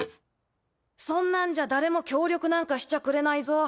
そんなんじゃ誰も協力なんかしちゃくれないぞ。